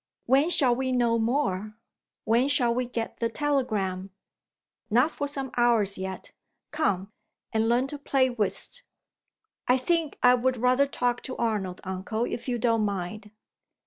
"When shall we know more? When shall we get the telegram?" "Not for some hours yet. Come, and learn to play whist." "I think I would rather talk to Arnold, uncle, if you don't mind."